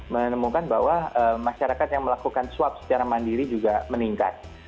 menemukan bahwa masyarakat yang melakukan swab secara mandiri juga meningkat